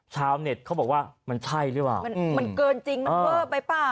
ชาวเน็ตเขาบอกว่ามันใช่หรือเปล่ามันเกินจริงมันเวอร์ไปเปล่า